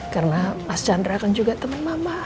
karena mas chandra kan juga temen mama